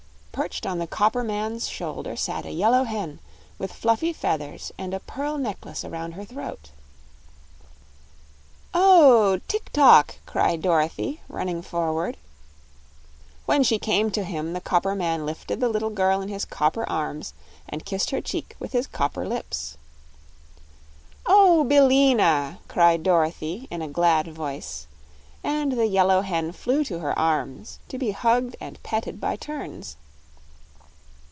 Perched on the copper man's shoulder sat a yellow hen, with fluffy feathers and a pearl necklace around her throat. "Oh, Tik tok!" cried Dorothy, running forward. When she came to him, the copper man lifted the little girl in his copper arms and kissed her cheek with his copper lips. "Oh, Billina!" cried Dorothy, in a glad voice, and the yellow hen flew to her arms, to be hugged and petted by turns.